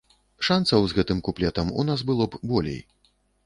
Шанцаў з гэтым куплетам у нас было б болей.